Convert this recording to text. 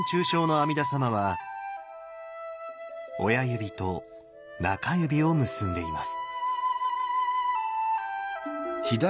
阿弥陀様は親指と薬指を結んでいます。